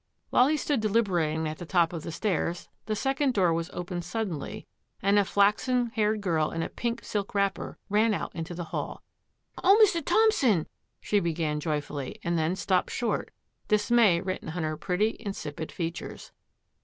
While he stood deliberating at the top of the stairs, the second door was opened suddenly and a flaxen haired girl in a pink silk wrapper ran out into the hall. "O Mr. Thompson!" she began joyfully, and then stopped short, dismay written on her pretty, insipid features.